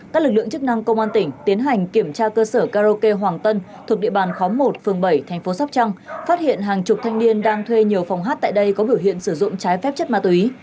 các lực lượng chức năng công an tỉnh tiến hành kiểm tra cơ sở karaoke hoàng tân thuộc địa bàn khóm một phường bảy thành phố sóc trăng phát hiện hàng chục thanh niên đang thuê nhiều phòng hát tại đây có biểu hiện sử dụng trái phép chất ma túy